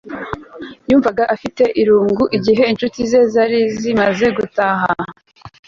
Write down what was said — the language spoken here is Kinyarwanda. Yumvaga afite irungu igihe inshuti ze zose zari zimaze gutaha